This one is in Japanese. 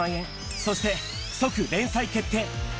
そして即連載決定。